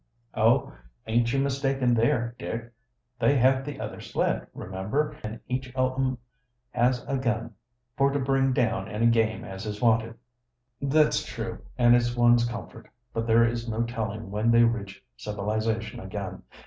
"Oh, aint you mistaken there, Dick? They have the other sled, remember; and each o' 'em has a gun for to bring down any game as is wanted." "That's true, and it's one comfort. But there is no telling when they reach civilization again.